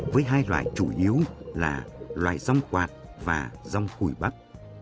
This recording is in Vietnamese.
với hai loài chủ yếu là loài giống quạt và giống khủi bắc